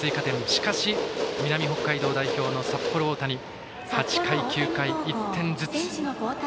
しかし、南北海道代表の札幌大谷８回、９回と１点ずつ。